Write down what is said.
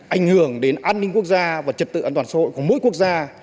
ảnh hưởng đến an ninh quốc gia và trật tự an toàn xã hội của mỗi quốc gia